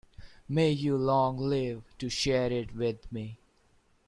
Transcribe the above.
May you long live to share it with me!